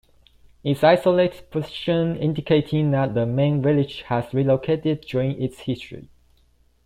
Its isolated position indicating that the main village has relocated during its history.